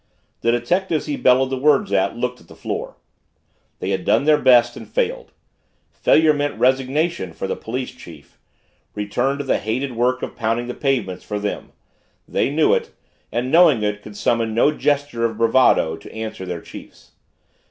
The detectives he bellowed the words at looked at the floor. They had done their best and failed. Failure meant "resignation" for the police chief, return to the hated work of pounding the pavements for them they knew it, and, knowing it, could summon no gesture of bravado to answer their chief's.